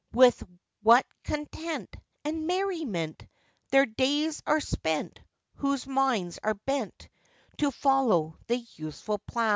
With what content, and merriment, Their days are spent, whose minds are bent To follow the useful plow.